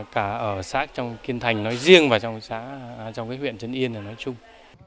cả ở xã kiên thành nói riêng và trong huyện trấn yên nói chung